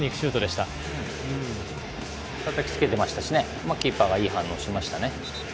たたきつけてましたしねキーパーがいい反応しましたね。